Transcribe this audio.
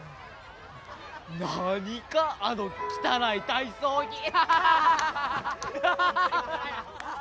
何かあの汚い体操着！